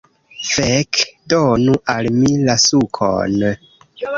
Fek' donu al mi la sukon